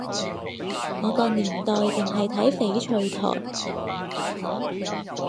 我個年代淨係睇翡翠台